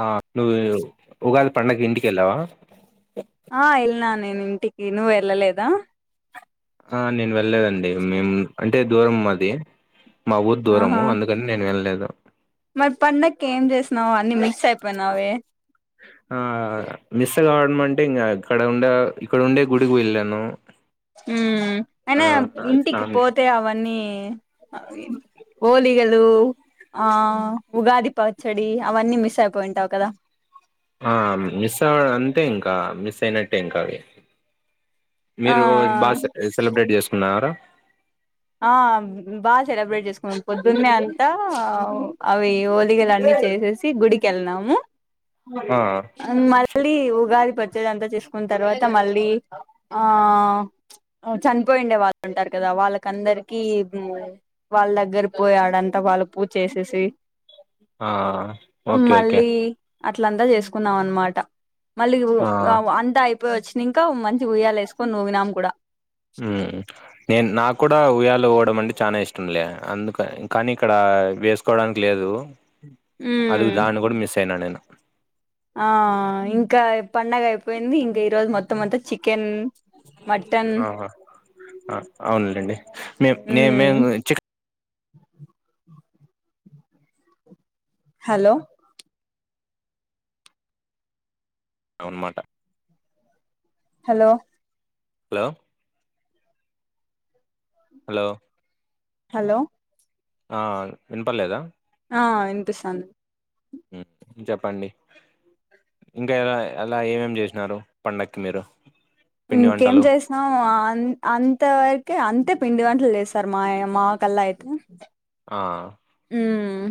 ఆ నువ్ ఉగాది పండగకి ఇంటికిళ్ళవా ఆ వెళిన నేను ఇంటికి నువ్వు వెళ్ళలేదా ఆ నేను వెళ్లేదండి మేము అంటే దూరం మాది మా ఊరు ఆహా దూరము అందుకని నేను వెళ్ళలేదు [unintelligible] మరి పండక్కి ఏం చేసినవు అన్నీ మిస్ ఆ మిస్ కావడ డం అంటే ఇంగ ఇక్కడ ఉండే ఇక్కడ ఉండే గుడికి వెళ్ళాను మ్మ్ ఆ అయినా ఇంటికి స్నానం పోతే అవన్నీ వే అవి ఓలిగలు ఆ ఉగాది పచ్చడి అవన్నీ మిస్ అయిపోయింటావు కదా ఆ మిస్ అవడ అన్ టె ఇంకా మిస్ అయినట్టే ఇంకా అవి ఆ మీరు బాగా సే సెలబ్రేట్ చేసు కున్నారా ఆ బాగా సెలబ్రేట్ చేసు పొద్దున్నే అంతా ఆ అవి ఓలిగలు అన్నీ చేసేసి గుడి కెల్నాము ఆ ఆ మళ్ళీ ఉగాది పచ్చడి అంతా చేసుకున్న తర్వాత మళ్ళీ ఆ చనిపోయిండే వాళ్ళు ఉంటారు కదా వాళ్ళక్ కందరికి మ్మ్ వాళ్ళ దగ్గర పోయి ఆడ అంత వాళ్ళుకు పూజ చేసేసి ఆ ఓకే ఓకే మళ్ళీ అట్లంతా చేసుకున్నాం అనమాట మళ్ళీ వు ఆ అవ్ అంతా అయి పచ్చినంక ఓ మంచి ఉయ్యాల వేసుకని ఊగిన కూడా మ్మ్ నేను నాకు కూడా ఉయ్యాల ఊగడం అంటే చానా ఇష్టం లే అందుక కానీ ఇక్కడ వేసుకోవడానికి లేదు అద్ ఉమ్ దాన్ని ఒక్కట్ మిస్ అయినా నేను ఆ ఇంకా పండగ అయిపోయింది ఇంకా ఈ రోజు మొత్తం అంతా చికెన్ మటన్ ఆహా ఆ అవునులేండి మేము నే ఉమ్ మేము చికె హలో అవున్మాట హలో హలో హలో హలో ఆ వినపలేదా ఆ వినిపిస్తాంది మ్మ్ చెప్పండి ఇంకా ఎలా అలా ఏమేమి చేసినారు పండక్కి మీరు పిండి ఇంకేం వంటలు చేసాం అ అం అంత వరకే అంతే పిండి వంటలు చేస్తారు మా మా కల్లా అయితే ఆ ఉమ్మ్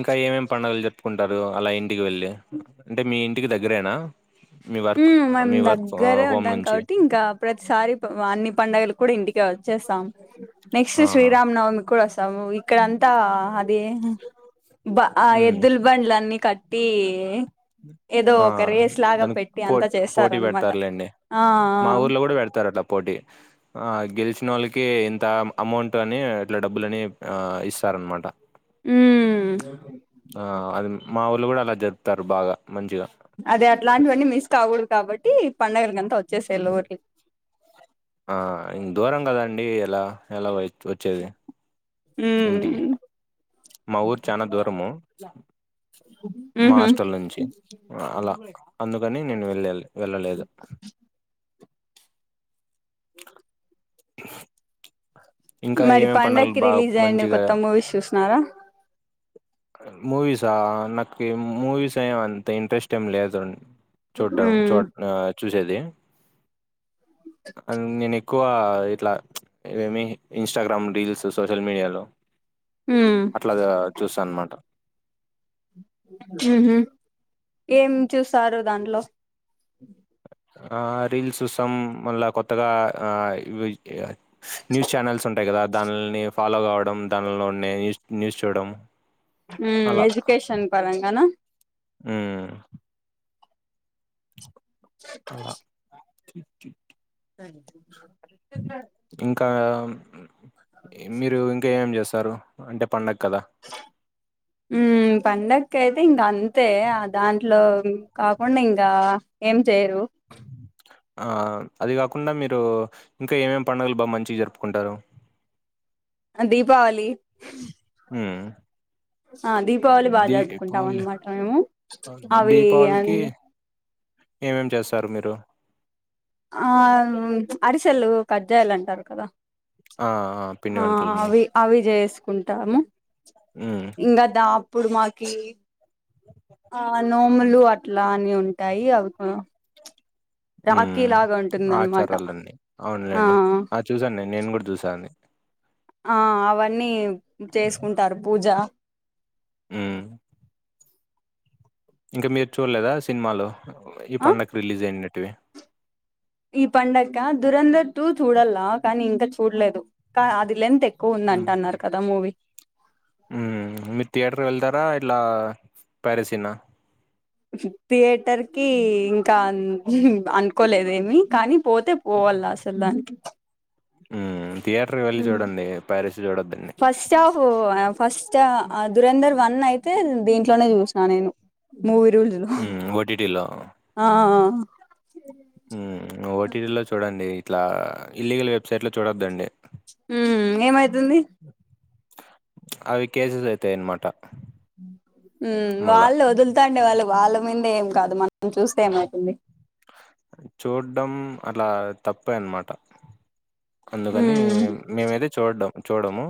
ఇంకా ఏమేమి పండుగలు జరుపుకుంటారు అలా ఇంటికి వెళ్ళి అంటే మీ ఇంటికి దగ్గరేనా. మీ వర్క్ ఊమ్మ్ మేం మీ వర్క్ దగ్గరే హోమ్ ఉంటాం నుంచి కాబట్టి ఇంకా ప్రతిసారి అన్ని పండుగలు కూడా ఇంటికే వచ్చేస్తాం నెక్స్ట్ ఆహా శ్రీరామ నవమి కూడా వస్తా స్తాము ఇక్కడంతా దే బ ఉమ్. ఎద్దుల బండ్లన్ని కట్ ట్టి ఏదో ఒక రేస్ లాగా పెట్టి అంతా పోట్ పోటీ చేస్తారనమాట పెడతారులేండి ఆ మా ఊర్లో కూడా పెడతారు అట్ట పోటీ గెలిచిన వోళ్ళకి ఇంత అమౌంట్ అని అట్లా డబ్బులు అని ఆ ఇస్తారనమాట ఉమ్మ్ ఆ అది మా ఊర్లో కూడా అలా జరుపుతారు బాగా మంచిగా. అదే అట్లాంటివన్నీ మిస్ కాకూడదు కాబట్టి పండగలకంత వచ్చేసేయాల ఊర్కి ఆ ఇం దూరం కదండీ ఆ ఎలా ఎలా వచ్చేది మ్మ్ ఇంటికి మా ఊరు చానా దూరము చ మ్మ్ మా హ్మ్ ఊహు హాస్టల్ నుంచి అలా అందుకని నేను వెళ్ళాలి. వెళ్ళలేదు ఇంకా మరి ఏమేం పండుగలు పండక్కి బాగా రిలీజ్ అయిండే మంచిగా కొత్త మూవీస్ చూసినార మూవీసా నాక్ ఈ మూవీస్ ఏవి అంత ఇంట్రెస్ట్ ఏమి లేదు. చూడ్డం ఉమ్ చుట్నా చూసేది నేను ఎక్కువ ఇట్లా ఏమి ఇన్స్టాగ్రామ్ రీల్స్ సోషల్ మీడియాలో ఉమ్ అట్లా చూస్తా అనమాట వుహుమ్ ఏం చూస్ స్తారు దాంట్లో ఆ రీల్స్ చూస్తాం మళ్ళా కొత్తగా ఆ ఇ [unintelligible] న్యూస్ ఛానల్స్ ఉంటాయి కదా దాన్నీలని ఫాలో గావడం దానిలలో ఉండె న్యూస్ న్యూస్ చూడడం ద ఉమ్మ్ ఎజుకేషన్ పరంగానా ఉమ్మ్ అలా [unintelligible] ఇంకా. ఉహ్మ్. ఏం మీరు ఇంకా ఏమేమి జేస్తారు? అంటే పండకదా. ! కైతే ఇంగంతే ఆ దాంట్లో కాకుండా ఇంగా ఏం చెయిరు. ఆ అది గాకుండా మీరు ఇంకా ఏమేమి పండగలు బా మంచి జరుపుకుంటారు.? ఆ దీపావళి. ఊఉ. ఆ దీపావళి బా జరుపుకుంటా మన్న్మాట మేము అవి అన్నీ. ఏమేమ్ చేస్తారు మీరు.? ఆ అరిసెలు, కాజ్జాలంటారు కదా. ఆ! పిండి ! ఆ వంటలన్నీ. అవి అవి జేస్. కుంటాము. హ్మ్. ఇంగదా. ప్పుడు మాకీ. ఆ నోములు అట్లా అని ఉంటాయి అవి కూడా. ఉమ్ ఆచారాలన్ని. ఆ అవున్లేండి ఆ చుసా నే నేనుగూడా జూసా అండి. ఆ అవన్నీ. చేసుకుంటారు పూజ. ఊమ్. ఇంకా మీర్ చూలేదా సినిమాలో. !? ఈ ఆ పండక్కీ రిలీజ్ అయిన్వె. టీ. ఈ పండక దురంధర్ టూ చూడల్లా కానీ ఇంకా చూడ్లేదు కా అది లెంత్ ఎక్. క్కువుందంటన్నారు కదా మూవీ. ! ఊమ్. మీరు థియేటర్ వెళ్తారా ఇట్లా పైరసినా.? ! ఉహు థియేటర్కి ఇంకా ఉహు అన్కోలేదేమి కానీ. పోతే పోవాల్లా అసల్ దాన్కి. ఊమ్. థియేటర్వెళ్ళి చూడండి, పైరిసీ చూడొద్దండి. ఫస్టా ఆ దురంధర్ వన్ అయితే దీంట్లోనే జాసిన నేను. మూవీ రూల్జూలో హ్మ్. ఆ. ఆహ్. ఊమ్ ఓటీటీలో చూడండి. ట్లా ఇల్లీగల్ వెబ్సైట్లో చూడొద్దండి. ఊ ఏమై. అీ అవి కేసెస్ అయితాయి అనమాట వాళ్ళు వదులుతాండి వాళ్ళు వాళ్ళ ందే ఏం కాదు మన చూడ్డం అలా తప్పేన్నమాట అందుకని ఉమ్ మేమైతే చూడడాం చూడము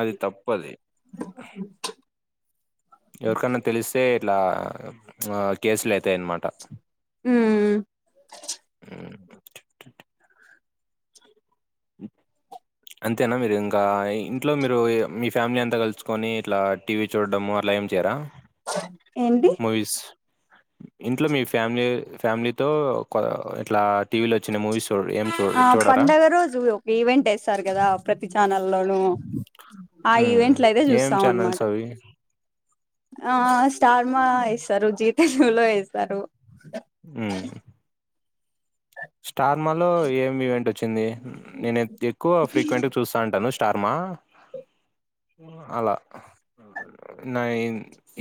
అది తప్పది ఎవరికన్నా తెలిస్తే ఇట్లా ఆ కేసులు అయితాయన్నమాట ఉ ఉమ్. అంతేనా మీరు ఇంకా ఇంట్లో మీరు మీ ఫ్యామిలీ అంతా కలుసుకొని ఇట్లా టీవీ చూడడము అలా ఏం చేయరా ఏంటి మువిూష్ ఇంట్లో మీ ఫ్యామిలీ ఫ్యామిలీతో ఇట్లా టీవీలో వచ్చిన మూవీస్ చూ ఏం చూ ఆ చూడరా పడుగ రోజు ఒక ఈవెంట్ వేస్తారు కదా ప్రతి ఛానల్లోనూ ఆ ఉమ్. ఈవెంట్ లో అయితే ఏం చూస్తాం అనమాట ఛానల్స్ అవి ఆ స్టార్మా వేస్తారు జీతెన్లో వేస్తారు అ స్టార్మాలో ఏమి ఈవెంట్ వచ్చింది నేను ఎక్కువ ఫ్రీక్వెంట్గా చూస్తా ఉంటాను అ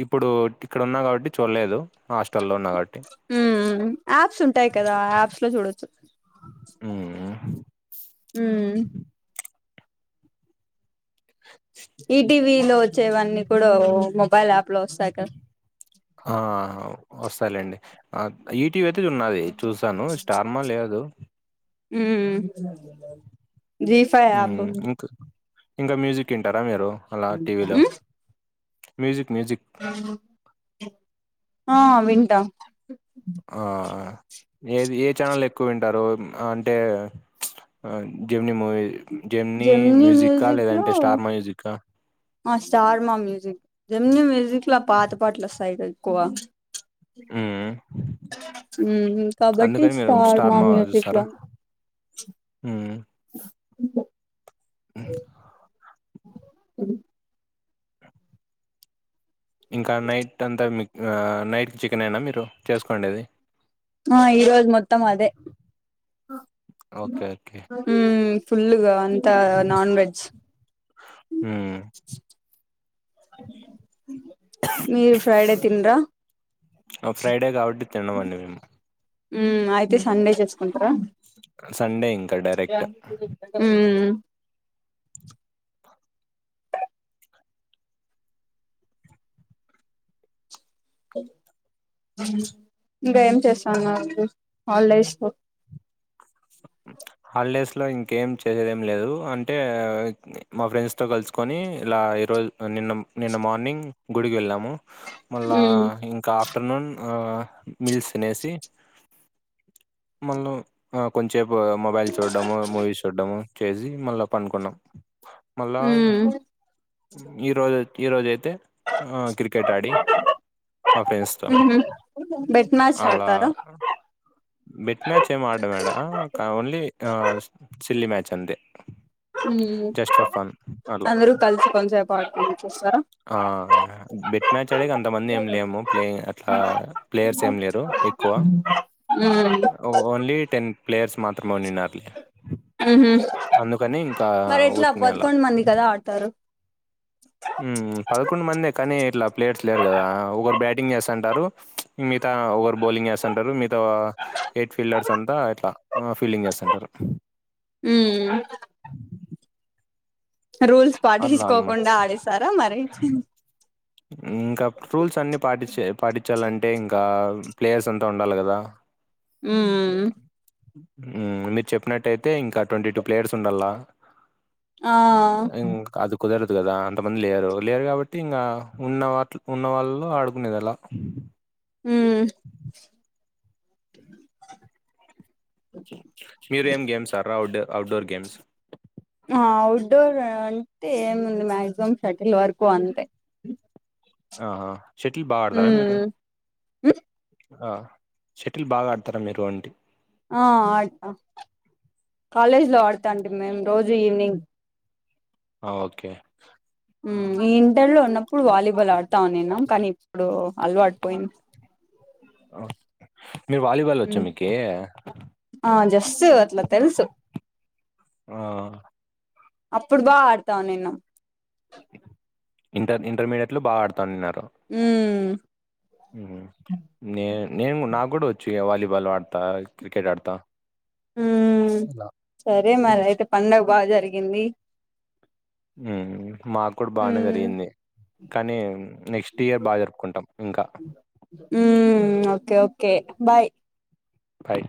ఇప్పుడు ఇక్కడన్నా కాబట్టి చూడ యాప్స్ ఉంటాయి కదా యాప్స్ లో చూడచ్చు మ్మ్. హ ఈ టీవీ లో వచ్చేవన్నీ కూడా మొబైల్ యాప్ లో వస్తాయి కదా ఆ వస్త ాలండి టీవ అయితే ఉన్నది చూస్తాను స్టార్మా లేదు ఆ జీఫై మ్మ్. ఇంకా ఇంకా మ్యూజిక్ తింటారా మీరు అలా టీవీలో మ్యూజక్ ఆ ఆ వింటా ఆ ఏది ఏ ఛానల్ ఎక్కువ వింటారు అంటే జివని మూవీ జమ్ని జెమిని మ్యూజిక్క మ్యూజిక్ లో లేదంటే స్టార్ మా మ్యూజికా ఆ స్టార్ మా మ్యూజక్ జెమ్ని మ్యూజక్లా పాత పాట్లా సైకల్ కోవ ఉమ్ కబడ్డీ అందుకని మీరు స్టార్ మా మ్యూజక్లా చూస్తారా మ్మ్. ఓ స [unintelligible] ఇంకా నైట్ అంతా మీకు ఆ నైట్కి చికెన్ అయినా మీరు చేసుకోండిది ఆ ఈ రోజు మొత్తం అదే ఓకే. ఓకే. ఉమ్ ఫుల్ గా అంత నాన్ వెజ్ హ్మ్. అ మీరు ఫ్రైడే తినరా ఆ ఫ్రైడే కాబట్టి తినమండి మేము ఉమ్ అయితే సండే చేసుకుంట సండే ఇంకా డైరెక్ట్. ఉమ్ ఇంకా ఏం చేస్తున్నారు హాలిడేస్ లో హాలిడేస్లో ఇంకేం చేసేదేం లేదు అంటే మా ఫ్రెండ్స్తో కలుసుకొని ఇలా ఈరోజు నిన్న నిన్న మార్నింగ్ గుడికి వెళ్ళాము మళ్ళా ఉమ్ ఇంకా ఫ్టర్నూన్ మీల్స్ తినేసి మల్ల ఆ కొంచెం వో మొబైల్ చూడము మూవీస్ చూడము చేజీ మళ్ళీ పనుకున్నాం మళ్ళా ఉమ్ ఈ రోజు ఈ రోజు అయితే ఆ క్రికెట్ ఆడి మా ఫ్రెండ్స్ తో మ్యాచులు ఆడుతారా బిట్ మ్యాచ్ ఏం అడనాడా కా ఓన్లీ ఆ సిల్లీ మ్యాచ్ చ అంతే హ్మ్ జస్ట్ ఫర్ ఫన్ అలా. అందరు కలిసి కొంసేప్ పడుకోన్ ఆ బెట్ మ్యాచ్ ఆడేకి అంతమంది ఏమి లేము ప్లేయిం అట్లా ప్లేయర్స్ ఏమి లేరు ఎక్కువ ఉమ్ అ ఓన్లీ టెన్ ప్లేయర్స్ మాత్ర మోనినార్ లే ఉహు అందుకని ఇంకా మరి ఎట్లా ఊరికినే అలా బతుకొండ మంది కదా ఆడతారు హ్మ్. మందే కానీ తంటారు మిగతా ఒకరు బౌలింగ్ వేసాంటారు మీర్ తో ఎయిట్ ఫీల్డర్స్ తంతా ఇట్లా ఫీల్డింగ్ చేస్తంటారు హ్మ్ రూల్స్ అట్లా అనమాట. పాటించుకోకుండా ఆడిస్తారా మరి ఇ హ్మ్ కప్ ఫ్రూల్స్ అన్ని పాటించే పాటించాలంటే ఇంకా ప్లేయర్స్ అంత ఉండాలి కదా హ్మ్ హ్మ్ హ్మ్ మీరు చెప్పినట్టయితే ఇంకా ట్వంటీ టూ ప్లేయర్స్ ఉండాల ఆ ఇగ్ అది కుదరదు కదా అంతమంది లేరు లేరు కాబట్టి ఇంగా ఉన్న వాట్ ఉన్న వాళ్ళలో ఆడుకునేది ఎలా హ్మ్ ఔట్డోర్ గేమ్స్ అ ఔట్డోర్ అంటే ఏముంది మాక్సిమం షటిల్ వర్కు అంతే ఆహా షటిల్ బాగా ఆడుతారా మీరు హ్మ్ ఆ షెటిల్ బాగా ఆడతారా మీరు అంటి ఆ ఆడత కాలేజ్ లో ఆడతాంటిమి మేము రోజు ఈవినింగ్ ఆ ఓకే హ్మ్ మ్మ్. ఇంటర్ లో ఉన్నప్ ప్పుడు వాలీబాల్ ఆడ్ వతా నిన్నాం కానీ ఇప్పుడు అలవాటు పోయింది మీ వాలీబాల్ వచ్చా మీకీ తెల్సు అట్లా తెలుసు ఆ అప్పుడు బా ఆడతావు నేను ఇంటర్ ఇంటర్మీడియట్ లో బా ఆడుత హ్మ్ నే నేను నాకు కూడా వచ్చు వాలీబాల్ ఆడతా క్రికెట్ ఆడతా హ్మ్ ఇలా సరే మరి అయితే పండగ బా జరిగింది హ్మ్ మాకు కూడా బానే ఉమ్ జరిగింది కానీ నెక్స్ట్ ఇయర్ బా జరుపుకుంటాం ఇంకా ఉమ్, ఓకే ఓకే బాయ్ బాయ్